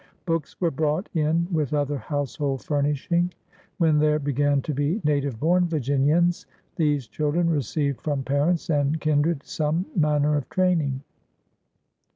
Books were brought in with other household fur nishing. When there began to be native bom Virginians, these children received from parents and kindred some manner of training.